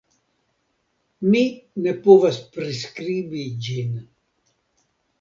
Mi ne povas priskribi ĝin.